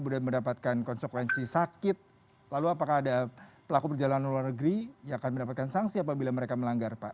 lalu apakah pelaku berjalanan ke luar negeri yang akan mendapatkan sanksi apabila mereka melanggar pak